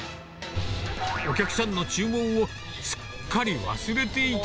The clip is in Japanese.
お客さんの注文をすっかり忘れていた。